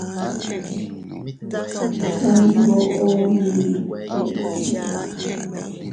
Kaʼa iyngoo ninnus cheʼete.